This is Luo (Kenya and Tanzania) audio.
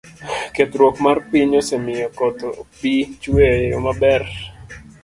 kethruok mar piny osemiyo koth ok bi chue e yo maber.